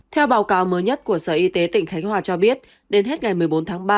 theo báo cáo mới nhất của sở y tế tỉnh khánh hòa cho biết đến hết ngày một mươi bốn tháng ba